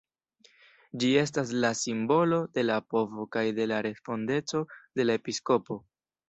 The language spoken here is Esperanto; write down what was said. Ĝi estas la simbolo de la povo kaj de la respondeco de la episkopo.